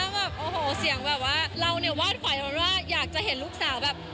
แบบโอ้โหเสียงแบบว่าเราเนี่ยวาดฝันว่าอยากจะเห็นลูกสาวแบบ